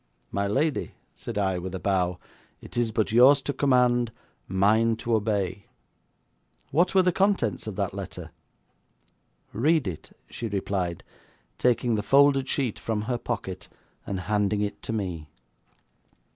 'My lady,' said I, with a bow, 'it is but yours to command, mine to obey. What were the contents of that letter?' 'Read it,' she replied, taking the folded sheet from her pocket, and handing it to me.